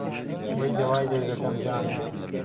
وهی دهوای دهردهکهم جانێ